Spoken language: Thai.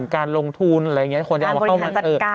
การลงทุนอะไรอย่างนี้